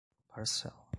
parcela